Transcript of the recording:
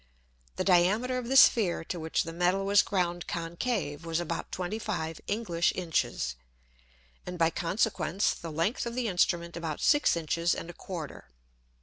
The diameter of the Sphere to which the Metal was ground concave was about 25 English Inches, and by consequence the length of the Instrument about six Inches and a quarter.